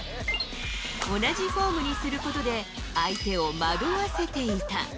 同じフォームにすることで、相手を惑わせていた。